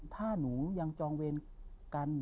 ถ้าหนูยังจองเวรกัน